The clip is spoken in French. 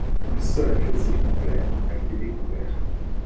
Un seul fossile complet en a été découvert.